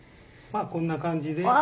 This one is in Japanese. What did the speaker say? まあこんな感じで。